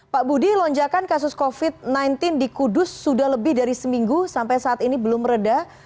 pak budi lonjakan kasus covid sembilan belas di kudus sudah lebih dari seminggu sampai saat ini belum reda